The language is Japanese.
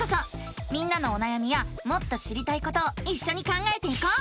みんなのおなやみやもっと知りたいことをいっしょに考えていこう！